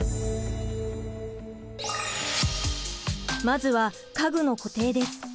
まずは家具の固定です。